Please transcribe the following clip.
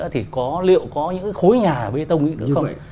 thì liệu có những cái khối nhà bê tông ấy được không